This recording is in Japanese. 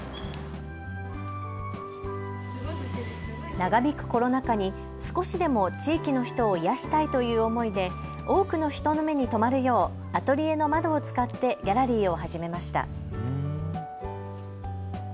長引くコロナ禍に少しでも地域の人を癒やしたいという思いで多くの人の目に留まるようアトリエの窓を使ってギャラリーを始めました。